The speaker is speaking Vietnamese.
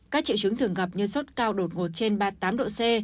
các triệu chứng thường gặp như sốt cao đột ngột trên ba mươi tám độ c